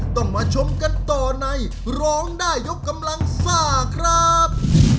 ต้องมาชมกันต่อในร้องได้ยกกำลังซ่าครับ